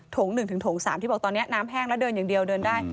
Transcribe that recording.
ง๑ถึงโถง๓ที่บอกตอนนี้น้ำแห้งแล้วเดินอย่างเดียวเดินได้